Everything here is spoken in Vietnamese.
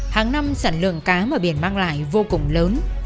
hàng năm sản lượng cá mà biển mang lại vô cùng lớn